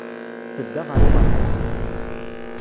Tedda ɣer uɣerbaz.